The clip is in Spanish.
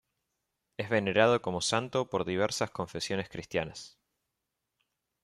Es venerado como santo por diversas confesiones cristianas.